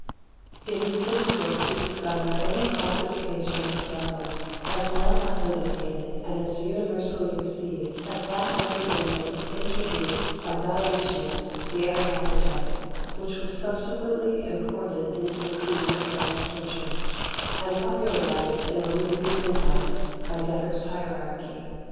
36. (i.) It is difficult to discover any classification of devils as well authenticated and as universally received as that of the angels introduced by Dionysius the Areopagite, which was subsequently imported into the creed of the Western Church, and popularized in Elizabethan times by Dekker's "Hierarchie."